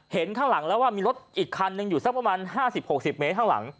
ข้างหลังแล้วว่ามีรถอีกคันนึงอยู่สักประมาณ๕๐๖๐เมตรข้างหลัง